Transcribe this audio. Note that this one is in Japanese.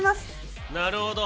なるほど。